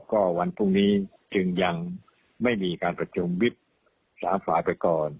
ก็วันพรุ่งนี้ยังไม่มีการประชุมสาธารณ์๓ฝ่ายไปก่อน